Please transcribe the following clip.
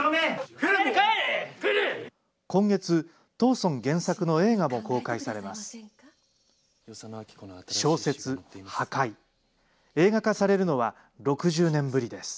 今月、藤村原作の映画も公開されます。